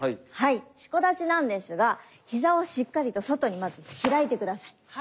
四股立ちなんですが膝をしっかりと外にまず開いて下さい。